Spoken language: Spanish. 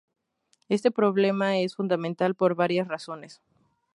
Este problema es fundamental por varias razones.